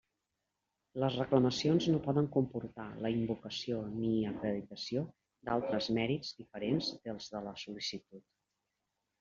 Les reclamacions no poden comportar la invocació ni acreditació d'altres mèrits diferents dels de la sol·licitud.